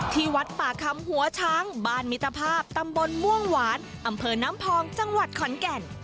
ที่วัดป่าคำหัวช้างบ้านมิตรภาพตำบลม่วงหวานอำเภอน้ำพองจังหวัดขอนแก่น